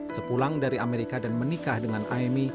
sepulang dari amerika dan menikah dengan aimi